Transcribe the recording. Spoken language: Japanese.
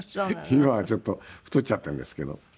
今はちょっと太っちゃったんですけど。